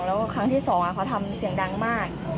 แล้วครั้งที่สองเขาทำเสียงดังมาก